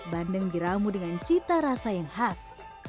bandeng diramu dengan cita rasa yang khas